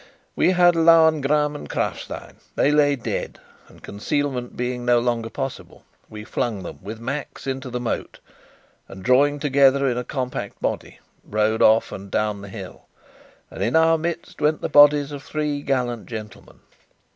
We had Lauengram and Krafstein: they lay dead; and, concealment being no longer possible, we flung them, with Max, into the moat; and, drawing together in a compact body, rode off down the hill. And, in our midst, went the bodies of three gallant gentlemen.